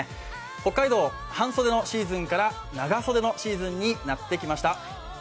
北海道半袖のシーズンから長袖のシーズンになってきました。